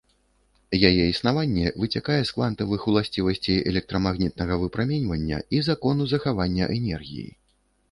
Яе існаванне выцякае з квантавых уласцівасцей электрамагнітнага выпраменьвання і закону захавання энергіі.